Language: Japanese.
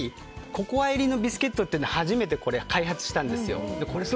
ココアのビスケットを初めて開発したんですよ。